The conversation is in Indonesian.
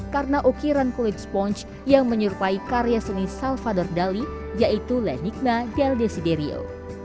karena ukiran kulit sponge yang menyerupai karya seni salvador deli yaitu la enigma del desiderio